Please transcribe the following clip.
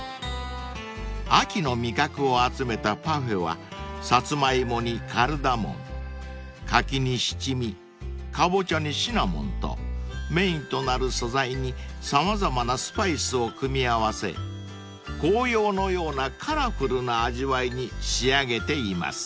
［秋の味覚を集めたパフェはサツマイモにカルダモン柿に七味カボチャにシナモンとメインとなる素材に様々なスパイスを組み合わせ紅葉のようなカラフルな味わいに仕上げています］